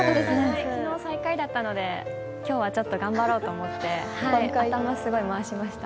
昨日、最下位だったので今日は頑張ろうと思って頭すごい回しました。